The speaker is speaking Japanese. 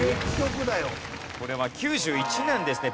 これは９１年ですね。